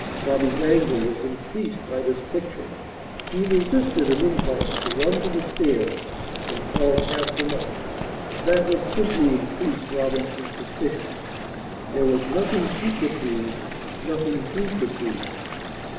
Bobby's anger was increased by this picture. He resisted an impulse to run to the stairs and call Katherine up. That would simply increase Robinson's suspicions. There was nothing she could do, nothing he could do.